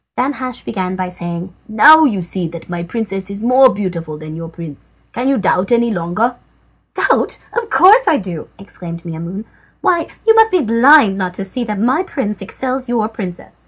Danhasch began by saying: "Now you see that my princess is more beautiful than your prince. Can you doubt any longer?" "Doubt! Of course I do!" exclaimed Maimoune. "Why, you must be blind not to see how much my prince excels your princess.